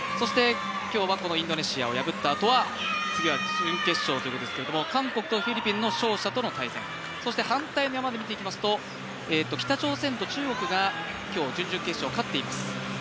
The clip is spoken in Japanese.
インドネシアを破った後は準決勝ということですが韓国とフィリピンの勝者との対戦そして反対の山で見ていきますと北朝鮮と中国が今日勝っています。